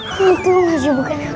alhamdulillah bukan aku